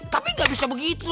tapi gak bisa begitu